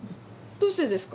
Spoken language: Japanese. どうしてですか？